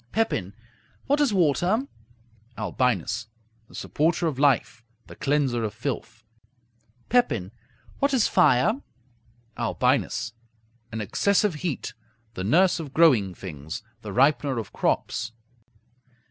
Pepin What is water? Albinus The supporter of life; the cleanser of filth. Pepin What is fire? Albinus An excessive heat; the nurse of growing things; the ripener of crops.